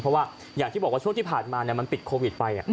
เพราะว่าอย่างที่บอกว่าช่วงที่ผ่านมามันติดโควิดไป